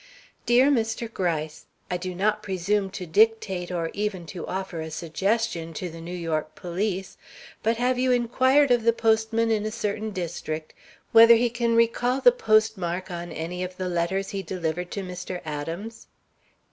Dear Mr. Gryce: I do not presume to dictate or even to offer a suggestion to the New York police, but have you inquired of the postman in a certain district whether he can recall the postmark on any of the letters he delivered to Mr. Adams?